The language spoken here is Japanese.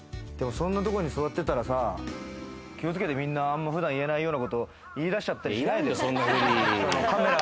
そんなとこに座ってたらさ、気をつけてみんな、あんま普段言えないようなこと言い出したりしないでよ。